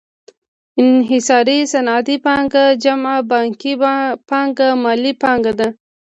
انحصاري صنعتي پانګه جمع بانکي پانګه مالي پانګه ده